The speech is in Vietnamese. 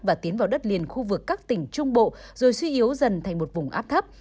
và tiến vào đất liền khu vực các tỉnh trung bộ rồi suy yếu dần thành một vùng áp thấp